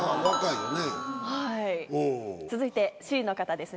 続いてＣの方ですね。